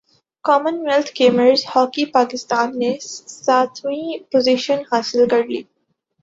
common wealth games hockey Pakistan نے ساتویں position حاصل کر لی